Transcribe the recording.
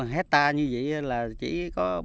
hecta như vậy là chỉ có